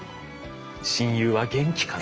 親友は元気かなと。